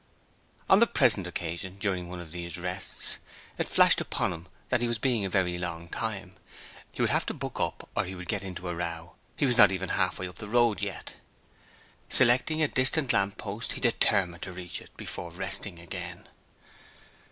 On the present occasion, during one of these rests, it flashed upon him that he was being a very long time: he would have to buck up or he would get into a row: he was not even half way up the road yet! Selecting a distant lamp post, he determined to reach it before resting again.